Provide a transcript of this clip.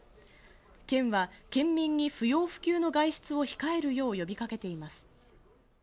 県は、県民に不要不急の外出を控えるよう呼びかけています。